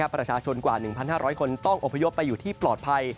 ประชาชนกว่า๑๕๐๐คนต้องอพยพไปอยู่ที่ปลอดภัย